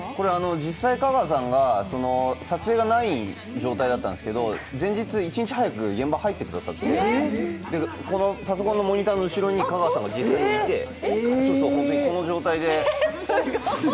実際、香川さんが撮影がない状態だったんですけど、前日、一日早く現場に入ってくださって、このパソコンのモニターの後ろに香川さんが実際にいて、この状態で。